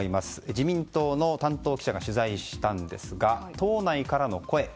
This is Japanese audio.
自民党の担当記者が取材したんですが党内からの声。